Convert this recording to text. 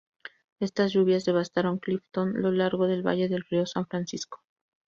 Estas lluvias devastaron Clifton lo largo del valle del río San Francisco.